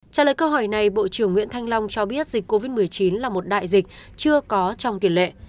trả lời câu hỏi này bộ trưởng nguyễn thanh long cho biết dịch covid một mươi chín là một đại dịch chưa có trong tiền lệ